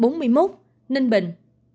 bốn mươi một ninh bình